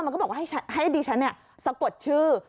ก็บอกว่าให้ดิฉันสะกดชื่อ